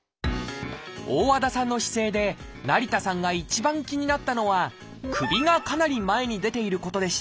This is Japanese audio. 大和田さんの姿勢で成田さんが一番気になったのは首がかなり前に出ていることでした。